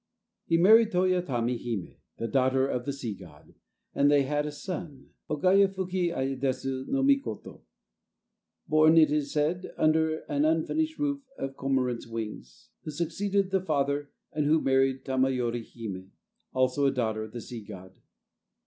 He married Toyatama hime, the daughter of the sea god, and they had a son, Ugaya fuki ayedsu no Mikoto, born, it is said, under an unfinished roof of cormorants' wings, who succeeded the father, and who married Tamayori hime, also a daughter of the sea god.